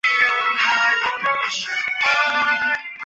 环境食物局唯一一任局长为任关佩英。